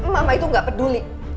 mama itu gak peduli